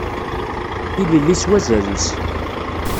Tilelli s wazal-is.